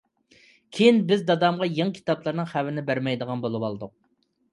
كېيىن بىز دادامغا يېڭى كىتابلارنىڭ خەۋىرىنى بەرمەيدىغان بولۇۋالدۇق.